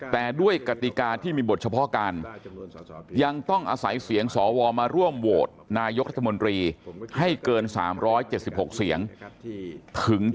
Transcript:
แต่ด้วยกติกาที่มีบทเฉพาะการยังต้องอาศัยเสียงสวมาร่วมโหวตนายกรัฐมนตรีให้เกิน๓๗๖เสียงถึงจะ